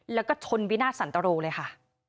แล้วก็ชนวินาทสันตรโรเลยค่ะ